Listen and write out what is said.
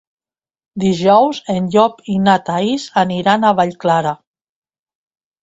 Dijous en Llop i na Thaís aniran a Vallclara.